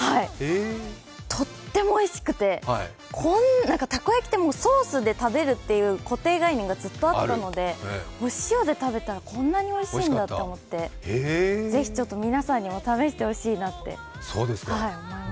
とってもおいしくて、たこ焼きってソースで食べるっていう固定概念がずっとあったのでお塩で食べたらこんなにおいしいんだって思ってぜひ皆さんも試してほしいなと思います。